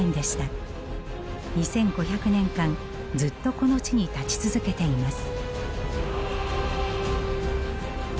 ２，５００年間ずっとこの地に立ち続けています。